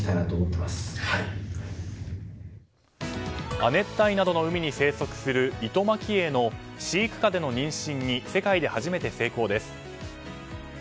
亜熱帯などの海に生息するイトマキエイの飼育下での妊娠に世界で初めて成功です。